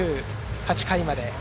８回まで。